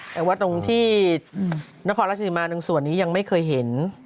แต่ว่าตรงที่นครราชสีมาหนึ่งส่วนนี้ยังไม่เคยเห็น